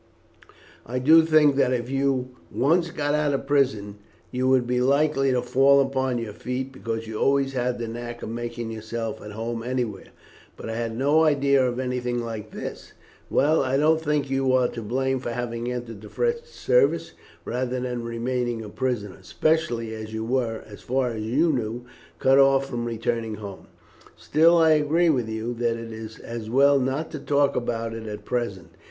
I did think that if you once got out of prison you would be likely to fall upon your feet, because you always had the knack of making yourself at home anywhere; but I had no idea of anything like this. Well, I don't think you are to blame for having entered the French service rather than remaining a prisoner, especially as you were, as far as you knew, cut off from returning home. Still, I agree with you that it is as well not to talk about it at present.